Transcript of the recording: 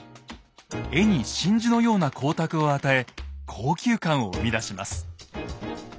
絵に真珠のような光沢を与え高級感を生み出します。